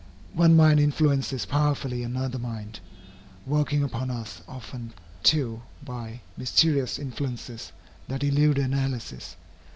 One mind influences powerfully another mind, working upon us often, too, by mysterious influences that elude analysis.